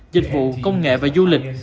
dịch vụ công nghệ và du lịch